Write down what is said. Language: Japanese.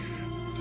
何？